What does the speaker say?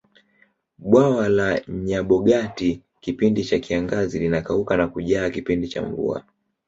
bwawa la nyabogati kipindi cha kiangazi linakauka na kujaa kipindi cha mvua